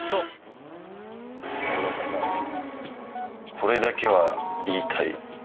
これだけは言いたい！